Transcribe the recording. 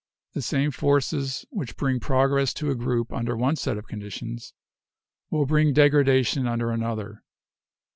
The same forces which bring progress to a group under one set of conditions will bring degradation under another.